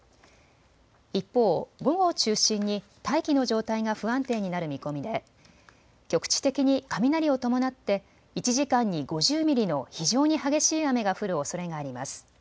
一方、午後を中心に大気の状態が不安定になる見込みで局地的に雷を伴って１時間に５０ミリの非常に激しい雨が降るおそれがあります。